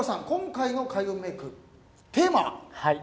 今回の開運メイク、テーマは？